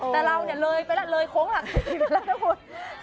แต่เราเนี้ยเลยไปแหละเลยคล้องหลักสี่อยู่แลอดคน